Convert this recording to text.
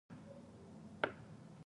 Ha ñe'ẽguyguýpe he'i hikuái.